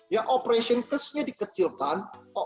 yang operation case nya dikecilkan